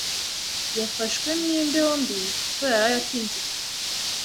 Yafashwe n'imbeho mbi kuko yaraye atinze gutaha.